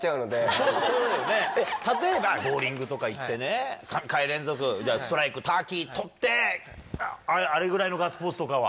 例えばボウリングとか行ってね３回連続ストライクターキー取ってあれぐらいのガッツポーズとかは？